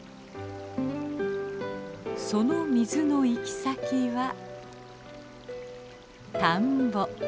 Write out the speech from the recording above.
その水の行き先は田んぼ。